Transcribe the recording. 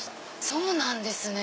そうなんですね。